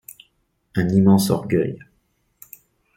Un immense orgueil.